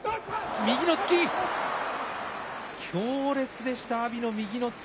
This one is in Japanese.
右の突き、強烈でした、阿炎の右の突き。